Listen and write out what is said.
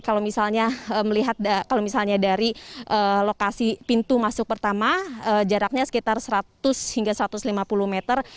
kalau misalnya melihat kalau misalnya dari lokasi pintu masuk pertama jaraknya sekitar seratus hingga satu ratus lima puluh meter